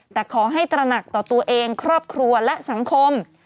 แต่ขอให้ตระหนักต่อตัวเองครอบครัวและสังคม